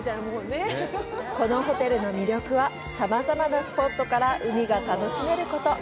このホテルの魅力はさまざまなスポットから海が楽しめること。